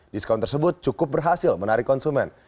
diskon tersebut cukup berhasil menarik konsumen